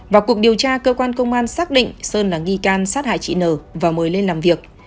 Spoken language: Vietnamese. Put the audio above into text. vào cuộc điều tra cơ quan công an xác định sơn là nghi can sát hại chị n và mời lên làm việc